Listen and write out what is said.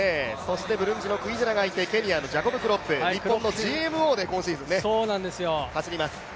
ブルンジのクイゼラ、ケニアのジャコブ・クロップ、日本のＧＭＯで今シーズン走ります。